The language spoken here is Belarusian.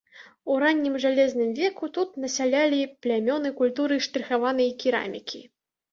У раннім жалезным веку тут насялялі плямёны культуры штрыхаванай керамікі.